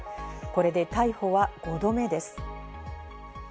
これで逮捕は５度目です。